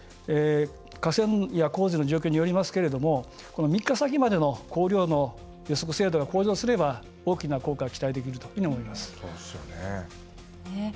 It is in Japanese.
河川や洪水の状況によりますが３日先までの降雨量の予測精度が向上すれば、大きな効果が期待できると思います。